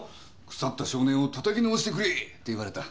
「腐った性根を叩き直してくれ」って言われた。